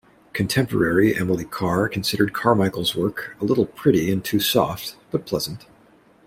Contemporary Emily Carr considered Carmichael's work A little pretty and too soft, but pleasant.